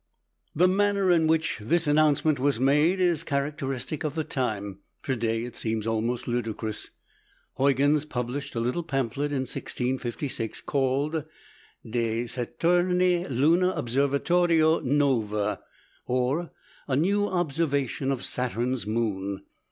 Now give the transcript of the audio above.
The manner in which this announcement was made is characteristic of the time; to day it seems almost ludicrous. Huygens published a little pamphlet in 1656 called "De Saturni Luna Observatio Nova" or, "A New Observation of Saturn's Moon."